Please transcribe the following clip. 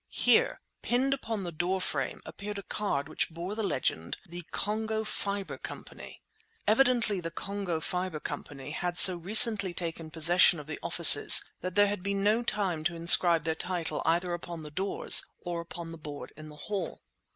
Here, pinned upon the door frame, appeared a card which bore the legend— THE CONGO FIBRE COMPANY Evidently the Congo Fibre Company had so recently taken possession of the offices that there had been no time to inscribe their title either upon the doors or upon the board in the hall.